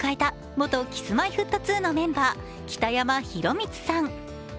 元Ｋｉｓ−Ｍｙ−Ｆｔ２のメンバー・北山宏光さん。